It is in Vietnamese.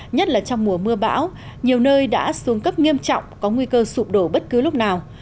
nhất là trong mùa mưa bão nhiều nơi đã xuống cấp nghiêm trọng có nguy cơ sụp đổ bất cứ lúc nào